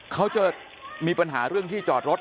เขาจะมีปัญหาเรื่องที่จอดรถ